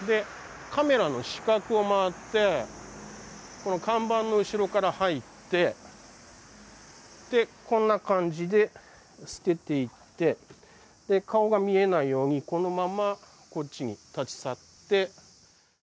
この看板の後ろから入ってこんな感じで捨てて行って顔が見えないようにこのままこっちに立ち去って。